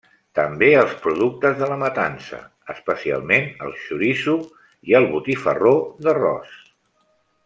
També els productes de la matança, especialment el xoriço i el botifarró d'arròs.